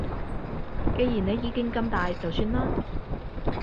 既然你意見咁大就算啦